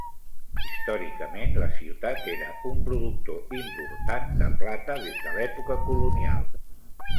Històricament, la ciutat era un productor important de plata, des de l'època colonial.